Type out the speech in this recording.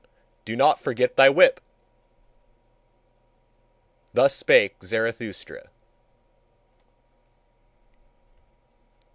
Do not forget thy whip!" Thus spake Zarathustra.